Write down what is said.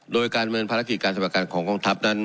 โดยการเมินภารกิจการสำราคารของโครงทัพ